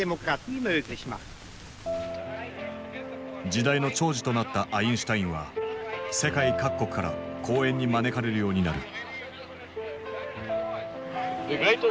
時代の寵児となったアインシュタインは世界各国から講演に招かれるようになる。